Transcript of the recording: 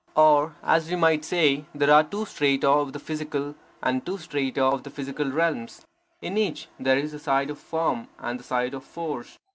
Or, as we might say, there are two strata of the physical, and two strata of the psychical realms. In each, there is the side of form, and the side of force.